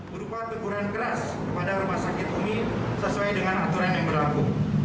berupa teguran keras kepada rumah sakit umi sesuai dengan aturan yang berlaku